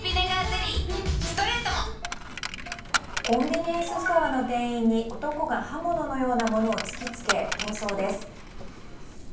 コンビニエンスストアの店員に男が刃物のようなものを突き付け逃走です。